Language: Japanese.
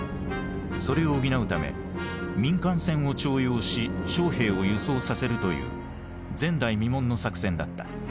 それを補うため民間船を徴用し将兵を輸送させるという前代未聞の作戦だった。